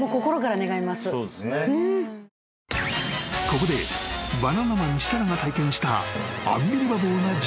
［ここでバナナマン設楽が体験した］